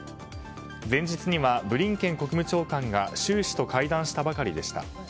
前日にはブリンケン国務長官が習氏と会談したばかりでした。